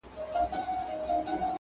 له ظالم څخه به څنگه په امان سم!.